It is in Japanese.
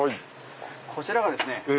こちらがですね